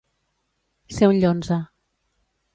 Ser un llonze.